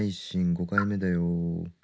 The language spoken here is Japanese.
５回目だよ」